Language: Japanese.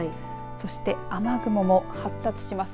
そして雨雲も発達します。